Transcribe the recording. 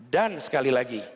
dan sekali lagi